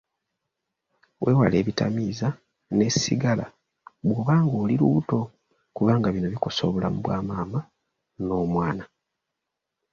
Weewale ebitamiiza ne sigala bw'oba ng'oli lubuto kubanga bino bikosa obulamu bwa maama n'omwana.